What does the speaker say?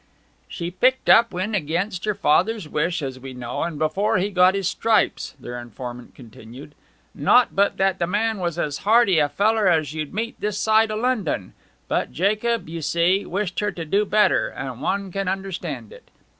'She picked up wi'en against her father's wish, as we know, and before he got his stripes,' their informant continued. 'Not but that the man was as hearty a feller as you'd meet this side o' London. But Jacob, you see, wished her to do better, and one can understand it.